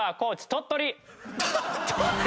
鳥取！